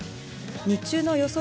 日中の予想